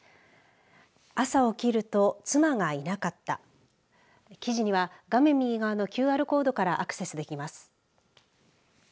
朝起きると妻がいなかった記事には画面右側のＱＲコードからアクセスできます。